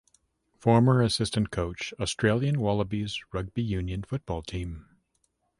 Former assistant coach Australian Wallabies Rugby Union Football team.